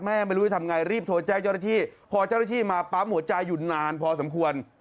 แม่ไม่รู้จะทำไงรีบโทรใจเจ้าที่พอเจ้าที่มาปั๊บหัวใจหยุดนานพอสมควร